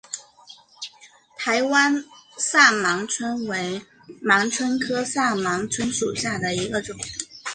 台湾萨盲蝽为盲蝽科萨盲蝽属下的一个种。